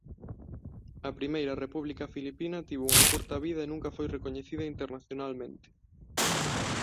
A Primeira República Filipina tivo unha curta vida e nunca foi recoñecida internacionalmente.